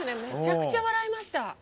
めちゃくちゃ笑いました。